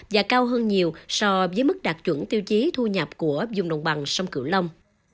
và cao hơn nhiều so với mức đạt chuẩn tiêu chí thu nhập của dùng đồng bằng sông cửu long